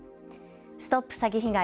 ＳＴＯＰ詐欺被害！